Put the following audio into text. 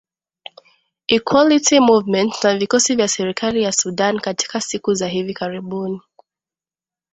equality movement na vikosi vya serikali ya sudan katika siku za hivi karibuni